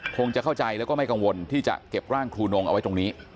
คงจะเข้าใจแล้วก็ไม่กังวลที่จะเก็บร่างครูนงเอาไว้ตรงนี้